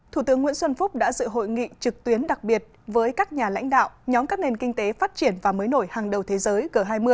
thủ tướng nguyễn xuân phúc đã dự hội nghị trực tuyến đặc biệt với các nhà lãnh đạo nhóm các nền kinh tế phát triển và mới nổi hàng đầu thế giới g hai mươi